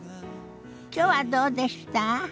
きょうはどうでした？